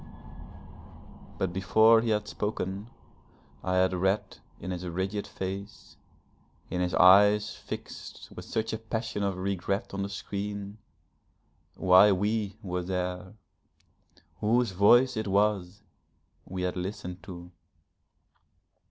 But before he had spoken I had read in his rigid face, in his eyes fixed with such a passion of regret on the screen, why we were there whose voice it was we had listened to.